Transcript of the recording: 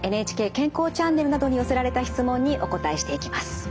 ＮＨＫ健康チャンネルなどに寄せられた質問にお答えしていきます。